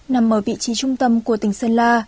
nằm ở vị trí trung tâm của tỉnh sơn la